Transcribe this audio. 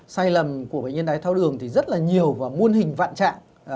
sai lầm của bệnh nhân đài tháo đường thì rất là nhiều và muôn hình vạn trạng